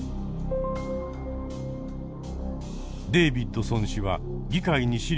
デービッドソン氏は議会に資料を示し